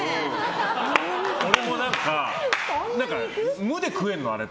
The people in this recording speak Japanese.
俺も何か、無で食えるのあれって。